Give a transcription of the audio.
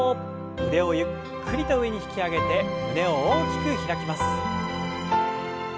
腕をゆっくりと上に引き上げて胸を大きく開きます。